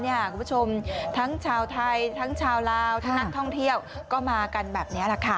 คุณผู้ชมทั้งชาวไทยทั้งชาวลาวทั้งนักท่องเที่ยวก็มากันแบบนี้แหละค่ะ